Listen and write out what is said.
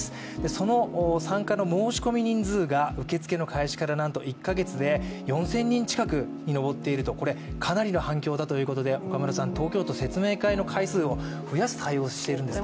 その参加の申し込み人数が受付の開始から１か月で４０００人近くに上っていると、かなり反響だということで東京都、説明の回数を増やす対応を行ってるんですって。